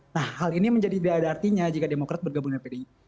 nah hal ini menjadi tidak ada artinya jika demokrat bergabung dengan pdip